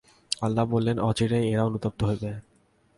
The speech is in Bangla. আল্লাহ বললেন, অচিরেই এরা অনুতপ্ত হবেই।